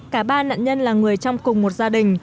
cả ba nạn nhân là người trong cùng một gia đình